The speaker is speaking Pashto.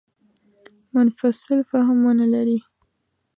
منفصل فهم ونه لري.